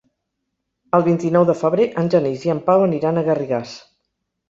El vint-i-nou de febrer en Genís i en Pau aniran a Garrigàs.